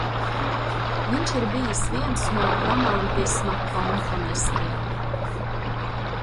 Viņš ir bijis viens no romantisma komponistiem.